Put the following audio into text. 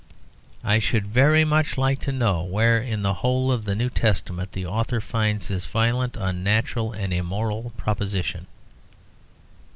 I should very much like to know where in the whole of the New Testament the author finds this violent, unnatural, and immoral proposition.